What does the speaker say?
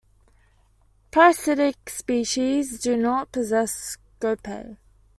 Parasitic species do not possess scopae.